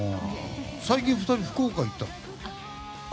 最近２人、福岡行ったの？